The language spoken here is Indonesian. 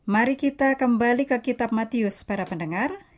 mari kita kembali ke kitab matius para pendengar